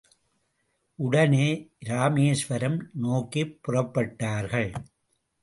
உடனே இராமேஸ்வரம் நோக்கிப் புறப்பட்டார்கள்.